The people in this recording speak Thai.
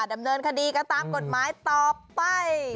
ดำเนินคดีก็ตามกฎหมายต่อไป